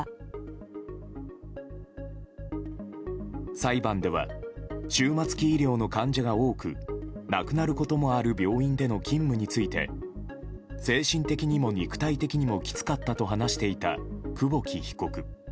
裁判では終末期医療の患者が多く亡くなることもある病院での勤務について精神的にも肉体的にもきつかったと話していた久保木被告。